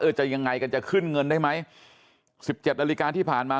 จะยังไงกันจะขึ้นเงินได้ไหม๑๗นาฬิกาที่ผ่านมา